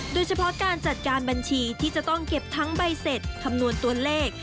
โดยเฉพาะการจัดการบัญชีที่จะต้องเก็บทั้งใบเสร็จคำนวณตัวเลข